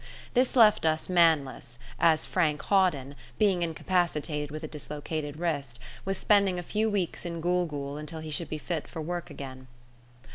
This left us manless, as Frank Hawden, being incapacitated with a dislocated wrist, was spending a few weeks in Gool Gool until he should be fit for work again.